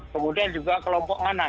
kemudian juga kelompok mana